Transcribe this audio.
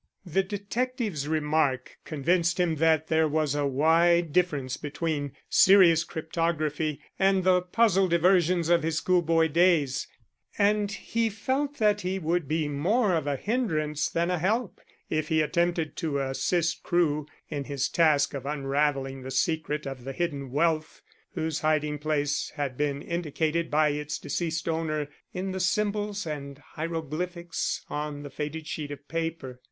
The detective's remark convinced him that there was a wide difference between serious cryptography and the puzzle diversions of his schoolboy days, and he felt that he would be more of a hindrance than a help if he attempted to assist Crewe in his task of unravelling the secret of the hidden wealth whose hiding place had been indicated by its deceased owner in the symbols and hieroglyphics on the faded sheet of paper.